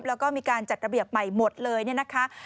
แล้วก็มีการจัดระเบียบใหม่หมดเลยเนี่ยนะคะ